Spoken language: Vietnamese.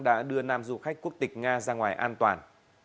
đã đưa nam du khách quốc tịch nga ra ngoài an toàn